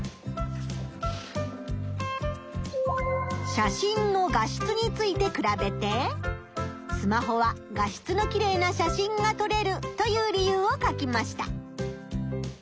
写真の画質について比べて「スマホは画質のきれいな写真がとれる」という理由を書きました。